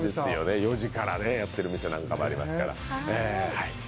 ４時からやってる店なんかもありますから。